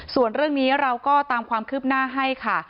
ส่วนเรื่องนี้เราก็ตามความคืบหน้าให้ค่ะ